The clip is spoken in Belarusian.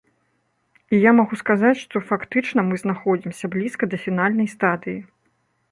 І я магу сказаць, што фактычна мы знаходзімся блізка да фінальнай стадыі.